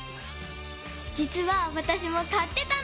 じつはわたしもかってたの！